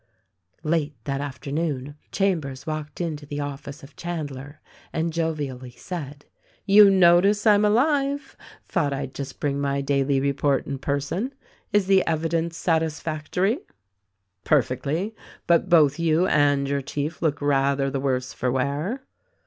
Late that afternoon Chambers walked into the office of Chandler and jovially said, "You notice, I'm alive ! Thought I'd just bring my daily report in person. Is the evidence satisfactory ?" "Perfectly! But both you and your chief look rather the worse for wear."